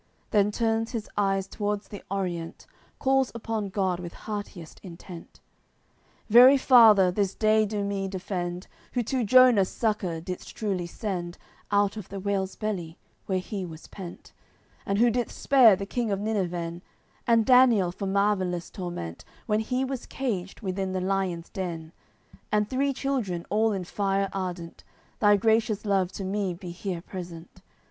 Then turns his eyes towards the Orient, Calls upon God with heartiest intent: "Very Father, this day do me defend, Who to Jonas succour didst truly send Out of the whale's belly, where he was pent; And who didst spare the king of Niniven, And Daniel from marvellous torment When he was caged within the lions' den; And three children, all in a fire ardent: Thy gracious Love to me be here present.